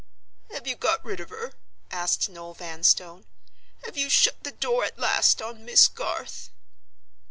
"Have you got rid of her?" asked Noel Vanstone. "Have you shut the door at last on Miss Garth?"